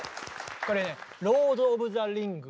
これね